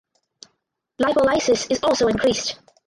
Lipolysis is also increased.